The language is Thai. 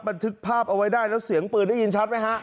บันทึกภาพเอาไว้ได้แล้วเสียงปืนได้ยินชัดไหมฮะ